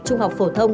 trung học phổ thông